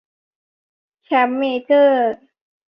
แชมป์เมเจอร์